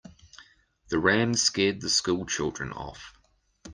The ram scared the school children off.